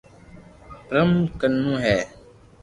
پرم ڪنو ھي